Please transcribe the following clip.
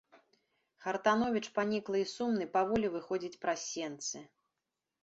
Хартановіч паніклы і сумны паволі выходзіць праз сенцы.